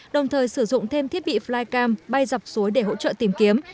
đồng thời sử dụng thêm thiết bị flycam bay dọc suối để hỗ trợ tìm kiếm